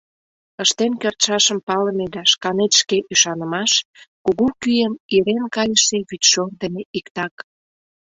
Ыштен кертшашым палыме да шканет шке ӱшанымаш — кугу кӱым ирен кайыше вӱдшор дене иктак.